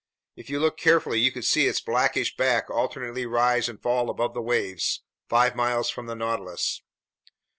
If you looked carefully, you could see its blackish back alternately rise and fall above the waves, five miles from the Nautilus.